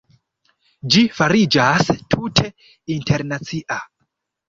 Ĝi fariĝas tute internacia.